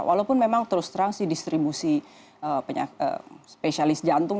walaupun memang terus terang sih distribusi spesialis jantung yang hanya delapan ratus orang untuk melakukan kesehatan jantung